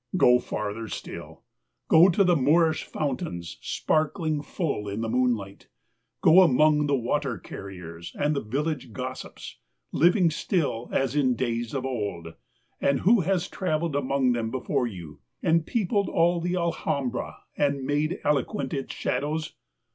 Go farther still: go to the Moorish fountains, sparkling full in the moonlight — go among the water carriers and the village gossips, living still as in days of old — and who has traveled among them before you, and peopled the Al hambra and made eloquent its shadows?